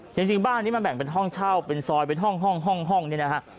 จริงบ้านนี้มันแบ่งเป็นห้องเช่าเป็นซอยเป็นห้องห้องเนี่ยนะฮะ